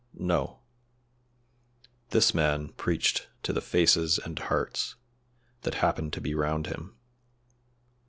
No. This man preached to the faces and hearts that happened to be round him.